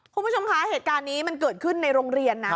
คุณผู้ชมคะเหตุการณ์นี้มันเกิดขึ้นในโรงเรียนนะ